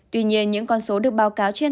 tuy nhiên những con số được báo cáo trên